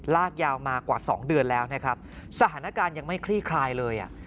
ลากยาวมากว่าสองเดือนแล้วนะครับสถานการณ์ยังไม่คลี่คลายเลยอ่ะ